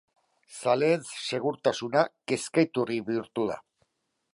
Zaleen segurtasuna kezka-iturri bihurtu da.